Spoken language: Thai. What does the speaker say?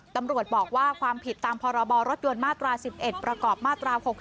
ตำรวจบอกว่าความผิดตามพรรร๑๑ประกอบมาตรา๖๐